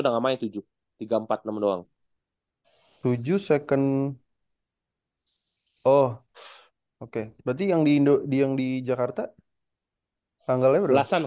udah ngamain tujuh ribu tiga ratus empat puluh enam doang tujuh second oh oke berarti yang di indo yang di jakarta tanggalnya belasan